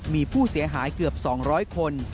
มีผู้เสียหายเกือบ๒๐๐คน